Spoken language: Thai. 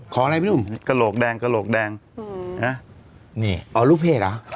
อะไรพี่หนุ่มกระโหลกแดงกระโหลกแดงนี่อ๋อลูกเพจเหรอ